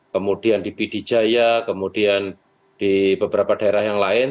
kemudian di pidijaya kemudian di beberapa daerah yang lain